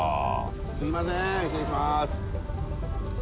すいません失礼します